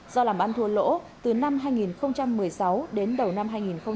do làm ăn thua lỗ từ năm hai nghìn một mươi sáu đến đầu năm hai nghìn một mươi chín